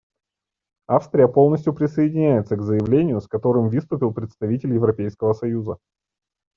Австрия полностью присоединяется к заявлению, с которым выступил представитель Европейского союза.